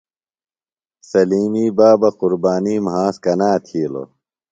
سلیمی بابہ قُربانی مھاس کنا تِھیلوۡ؟